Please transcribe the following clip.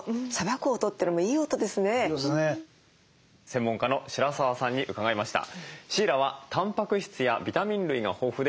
専門家の白澤さんに伺いました。